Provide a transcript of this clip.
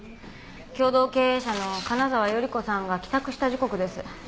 共同経営者の金沢頼子さんが帰宅した時刻です。